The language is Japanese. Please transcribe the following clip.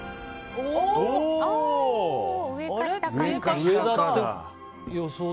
上か下か。